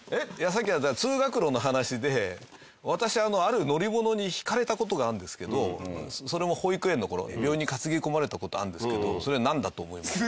さっきあった通学路の話で私ある乗り物にひかれた事があるんですけどそれも保育園の頃病院に担ぎ込まれた事あるんですけどそれなんだと思います？